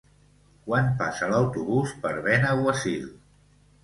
Quan passa l'autobús per Benaguasil?